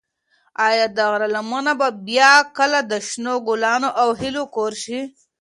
ایا د غره لمنه به بیا کله د شنو ګلانو او هیلو کور شي؟